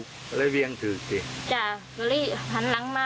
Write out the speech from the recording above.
ก็เลยเวียงถือจริงจ้ะก็เลยหันหลังมา